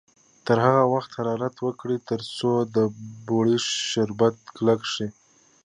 تر هغه وخته حرارت ورکړئ تر څو د بورې شربت کلک شي.